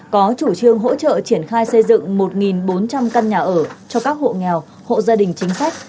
có chủ trương hỗ trợ triển khai xây dựng một bốn trăm linh căn nhà ở cho các hộ nghèo hộ gia đình chính sách